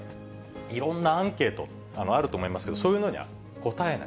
いろんなアンケートがあると思いますけど、そういうのに答えない。